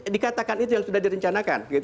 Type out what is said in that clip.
dikatakan itu yang sudah direncanakan